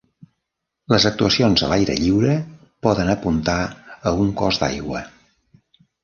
Les actuacions a l'aire lliure poden apuntar a un cos d'aigua.